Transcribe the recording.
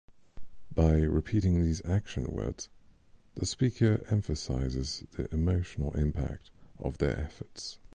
By repeating these action words, the speaker emphasizes the emotional impact of their efforts.